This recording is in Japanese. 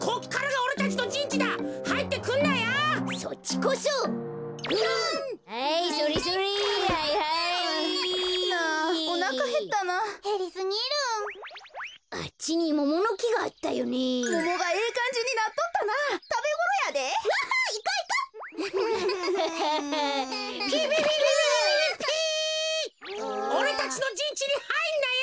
おれたちのじんちにはいんなよ！